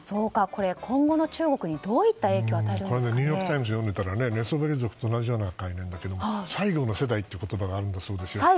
これ、今後の中国にニューヨーク・タイムズを読んでいたら寝そべり族と同じようなものだけど最後の世代っていう言葉があるんだそうですよ。